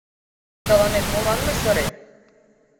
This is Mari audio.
Тыланет молан мый сырем?